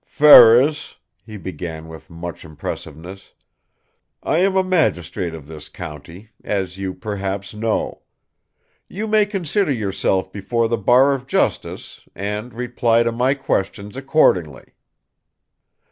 "Ferris," he began with much impressiveness, "I am a magistrate of this county as you perhaps know. You may consider yourself before the Bar of Justice, and reply to my questions accordingly."